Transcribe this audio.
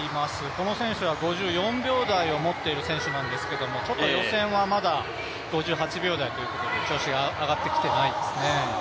この選手は５４秒台を持っている選手ですがちょっと予選はまだ５８秒台ということで調子が上がってきてないですね。